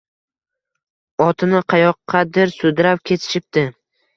Otini qayoqqadir sudrab ketishibdi.